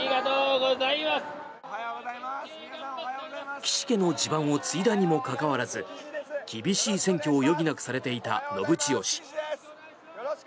岸家の地盤を継いだにもかかわらず厳しい選挙を余儀なくされていた信千世氏。